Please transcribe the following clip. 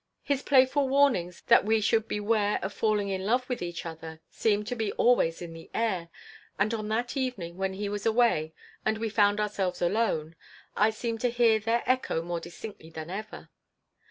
His playful warnings that we should beware of falling in love with each other seemed to be always in the air, and on that evening when he was away and we found ourselves alone I seemed to hear their echo more distinctly than ever.